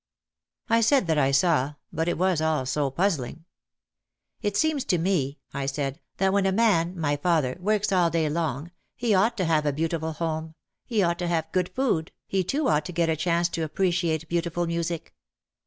I said that I saw, but it was all so puzzling. "It seems to me," I said, "that when a man, my father, works all day long, he ought to have a beautiful home, he ought to have good food, he too ought to get a chance to appreciate beautiful music.